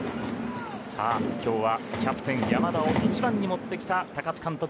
今日はキャプテン山田を１番にもってきた高津監督。